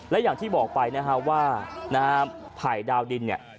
และอย่างที่บอกไปนะฮะว่านะฮะไผ่ดาวดินเนี่ย